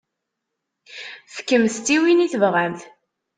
Fkemt-t i win i tebɣamt.